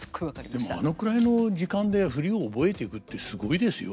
でもあのくらいの時間で振りを覚えていくってすごいですよ。